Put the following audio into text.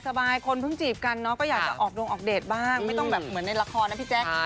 สบายคนหรืออย่าจะออกดวงออกเดทบ้างไม่ต้องเหมือนในละครได้ไหมพี่แจ๊ค